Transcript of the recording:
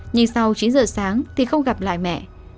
nhưng sau chín giờ sáng thì không gặp lại mẹ